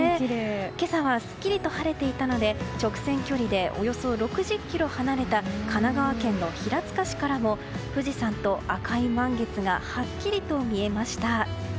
今朝はすっきりと晴れていたので直線距離でおよそ６０ｋｍ離れた神奈川県の平塚市からも富士山と赤い満月がはっきりと見えました。